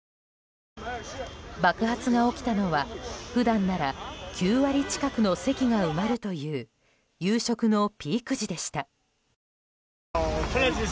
爆発が起きたのは普段なら９割近くの席が埋まるという夕食のピーク時でした。